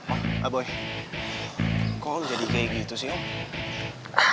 ah ah boy kok lo jadi kayak gitu sih om